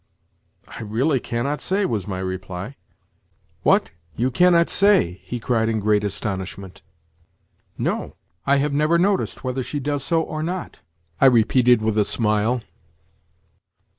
"I really cannot say," was my reply. "What? You cannot say?" he cried in great astonishment. "No; I have never noticed whether she does so or not," I repeated with a smile.